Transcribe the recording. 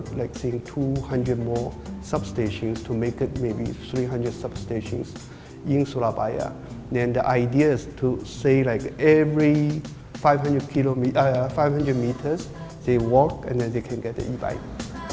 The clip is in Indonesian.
dengan operator persis setiap lima ratus meter mereka bisa terbang dan dapat e bike